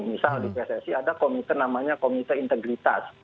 misal di pssi ada komite namanya komite integritas